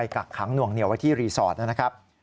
กักขังหนวงเหนี่ยวไว้ที่รีสอร์ต